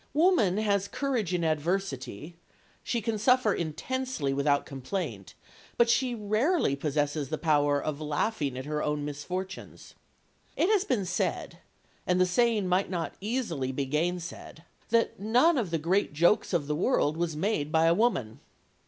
Woman has courage in adversity, she can suffer intensely without complaint, but she rarely possesses the power of laughing at her own misfortunes. It has been said, and the saying might not easily be gainsaid, that none of the great jokes of the world was made by a woman.